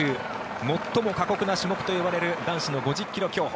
最も過酷な種目といわれる男子の５０ｋｍ競歩。